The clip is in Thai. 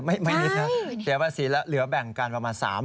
เสียภาษีเหลือแบ่งกันประมาณ๓๐๐๐๐ล้าน